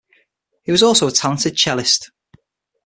He also was a talented cellist.